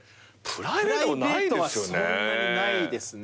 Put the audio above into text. プライベートはそんなにないですね。